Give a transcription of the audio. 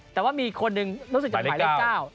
แต่ว่ามีคนหนึ่งรู้สึกจะหมายเลข๙